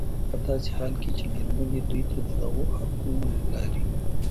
په داسې حال کې چې مېرمنې دوی ته د دغو اپونو له لارې